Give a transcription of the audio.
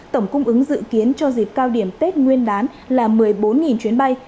tổng cung ứng dự kiến cho dịp cao điểm tết nguyên đán là một mươi bốn chuyến bay